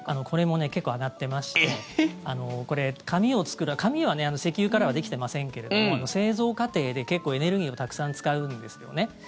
これも結構上がってまして紙は石油からはできてませんけれども製造過程で結構エネルギーをたくさん使うんですよね。